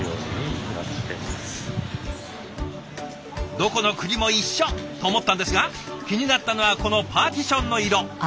どこの国も一緒と思ったんですが気になったのはこのパーティションの色。